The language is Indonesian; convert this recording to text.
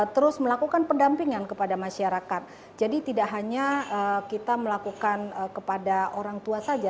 terus melakukan pendampingan kepada masyarakat jadi tidak hanya kita melakukan kepada orang tua saja